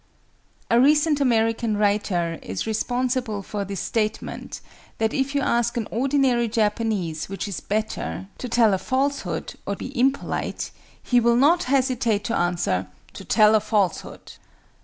A recent American writer is responsible for this statement, that if you ask an ordinary Japanese which is better, to tell a falsehood or be impolite, he will not hesitate to answer "to tell a falsehood!"